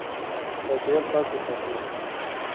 چاپېریال پاک وساتئ.